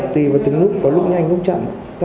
tùy vào từng lúc có lúc nhanh lúc chậm